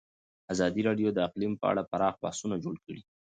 ازادي راډیو د اقلیم په اړه پراخ بحثونه جوړ کړي.